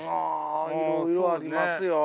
あいろいろありますよ。